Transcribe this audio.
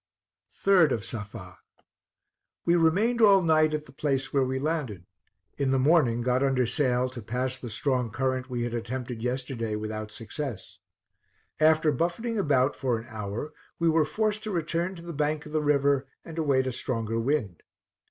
3d of Safa. We remained all night at the place where we landed; in the morning got under sail to pass the strong current we had attempted yesterday without success. After buffeting about for an hour we were forced to return to the bank of the river, and await a stronger wind.